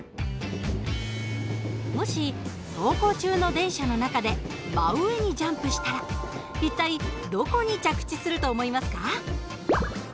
もし走行中の電車の中で真上にジャンプしたら一体どこに着地すると思いますか？